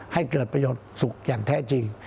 ให้เกิดประโยชน์สุขอย่างแท้จริง